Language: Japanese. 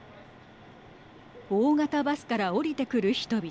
大型バスから降りてくる人々。